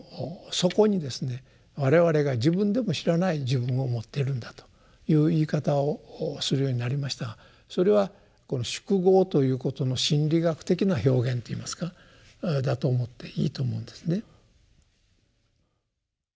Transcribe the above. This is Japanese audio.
我々が自分でも知らない自分を持ってるんだという言い方をするようになりましたがそれはこの「宿業」ということの心理学的な表現といいますかだと思っていいと思うんですね。